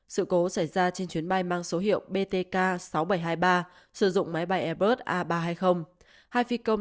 sự cố xảy ra trên chuyến bay mang số hiệu btk sáu nghìn bảy trăm hai mươi ba sử dụng máy bay airbus a ba trăm hai phi công